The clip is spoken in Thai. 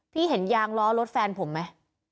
เห็นยางล้อรถแฟนผมไหม